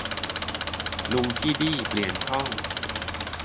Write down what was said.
"ลุงพี่ดี้" เปลี่ยนช่อง